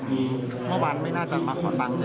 อืมเมื่อวานไม่น่าจะมาขอตังค์อย่างเดียว